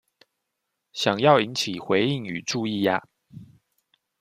想要引起回應與注意呀